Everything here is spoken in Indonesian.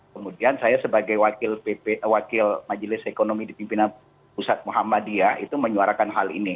kemudian saya sebagai wakil majelis ekonomi di pimpinan pusat muhammadiyah itu menyuarakan hal ini